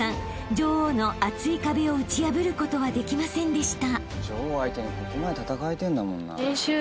女王の厚い壁を打ち破ることはできませんでした］